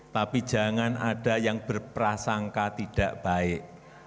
tapi jangan ada yang berprasangka tidak baik